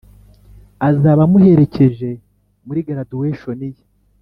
azaba amuherekeje muri garaduweshoni ye.